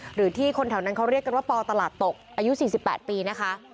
หรือที่คนแถวนั้นเขาเรียกกันว่าปตลาดตกอายุ๔๘ปีนะคะ